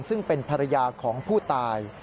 ซึ่งเป็นภรรยาของผู้ตาย